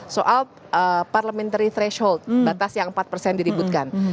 soal parliamentary threshold batas yang empat persen diributkan